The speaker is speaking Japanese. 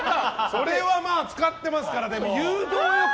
それは使ってますから、でも。